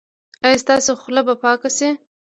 ایا ستاسو خوله به پاکه شي؟